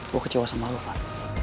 gue kecewa sama lo kak